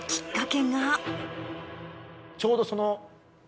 ちょうどその。